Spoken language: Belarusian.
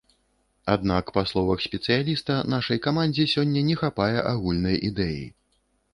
Аднак, па словах спецыяліста, нашай камандзе сёння не хапае агульнай ідэі.